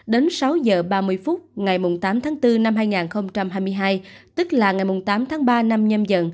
đến sáu h ba mươi phút ngày tám tháng bốn năm hai nghìn hai mươi hai tức là ngày tám tháng ba